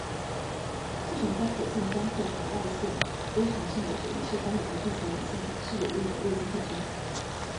这种在可见光或红外线波长上有着一致光源的地球影像是有用的卫星特征。